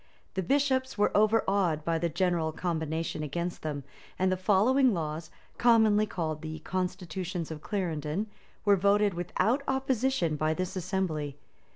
The bishops were overawed by the general combination against them; and the following laws, commonly called the "Constitutions of Clarendon," were voted without opposition by this assembly.